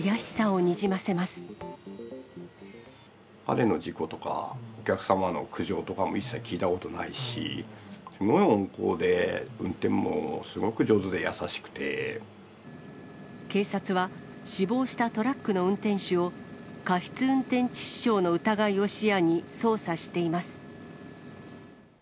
彼の事故とか、お客様の苦情とかも一切聞いたことないし、すごく温厚で、運転も警察は、死亡したトラックの運転手を過失運転致死傷の疑いを視野に捜査しています。